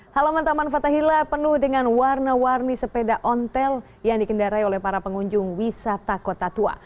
halaman taman fathahila penuh dengan warna warni sepeda ontel yang dikendarai oleh para pengunjung wisata kota tua